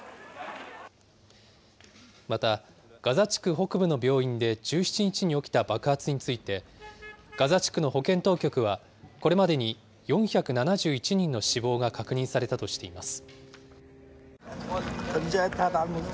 また、ガザ地区北部の病院で１７日に起きた爆発について、ガザ地区の保健当局は、これまでに４７１人の死亡が確認されたとしています。